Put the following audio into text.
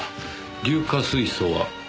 硫化水素は。